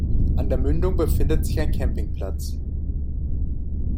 An der Mündung befindet sich ein Campingplatz.